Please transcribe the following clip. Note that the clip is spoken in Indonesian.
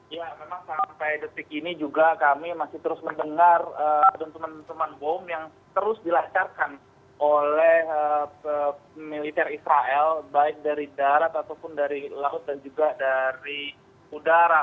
ya memang sampai detik ini juga kami masih terus mendengar dentuman dentuman bom yang terus dilancarkan oleh militer israel baik dari darat ataupun dari laut dan juga dari udara